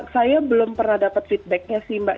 saya belum pernah dapat feedbacknya sih mbak